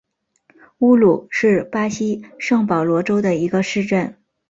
乌鲁是巴西圣保罗州的一个市镇。